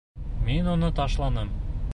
Мин уны ташланым.